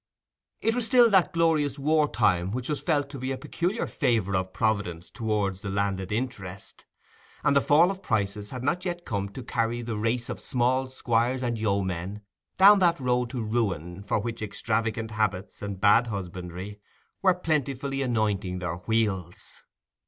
It was still that glorious war time which was felt to be a peculiar favour of Providence towards the landed interest, and the fall of prices had not yet come to carry the race of small squires and yeomen down that road to ruin for which extravagant habits and bad husbandry were plentifully anointing their wheels.